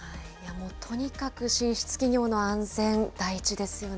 とにかく進出企業の安全第一ですよね。